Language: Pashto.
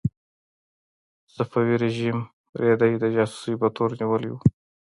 صفوي رژیم رېدی د جاسوسۍ په تور نیولی و.